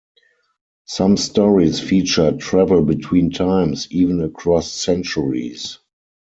Some stories feature travel between times, even across centuries.